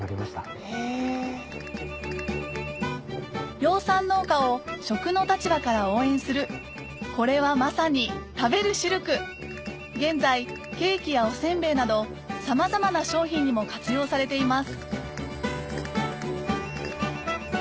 養蚕農家を食の立場から応援するこれはまさに食べるシルク現在ケーキやお煎餅などさまざまな商品にも活用されています